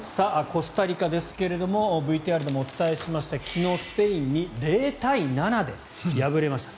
コスタリカですがＶＴＲでもお伝えしました昨日、スペインに０対７で敗れました。